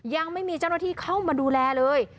ยังไม่มีเจ้าหน้าที่เข้ามาดูแลเลย